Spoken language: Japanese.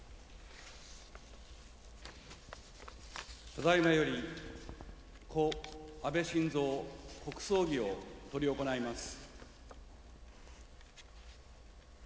ただいまより故・安倍晋三国葬儀を執り行います。